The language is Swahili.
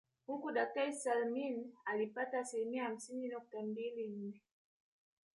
Huku daktari Salmin alipata asilimia hamsini nukta mbili nne